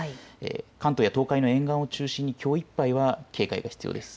関東や東海の沿岸を中心にきょういっぱいは警戒が必要です。